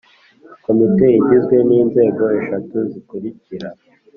Komite igizwe n Inzego eshatu zikurikira